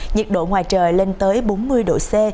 nhiệt độ ngoài trời lên tới bốn mươi độ c